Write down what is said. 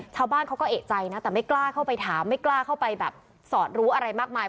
ชาวบ้านเขาก็เอกใจนะแต่ไม่กล้าเข้าไปถามไม่กล้าเข้าไปแบบสอดรู้อะไรมากมาย